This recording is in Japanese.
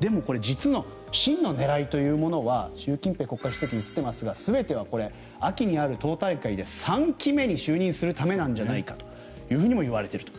でもこれ実の真の狙いというのは習近平国家主席が写っていますが全ては秋にある党大会で３期目に就任するためなんじゃないかともいわれていると。